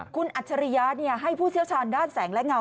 คุณอัจฉริยะให้ผู้เชี่ยวชาญด้านแสงและเงา